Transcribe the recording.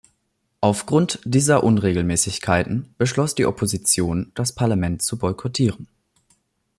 Aufgrund dieser Unregelmäßigkeiten beschloss die Opposition, das Parlament zu boykottieren.